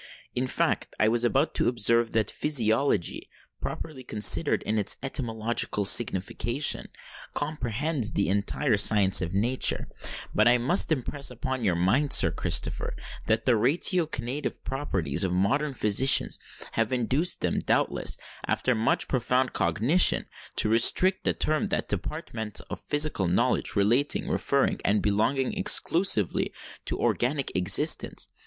"In fact, I was about to observe that physiology, properly considered in its etymological signification, comprehends the entire science of Nature; but I must impress upon your mind, Sir Christopher, that the ratiocinative propensities of modern physicians have induced them, doubtless after much profound cogitation, to restrict the term to that department of physical knowledge relating, referring, and belonging exclusively to organic existence.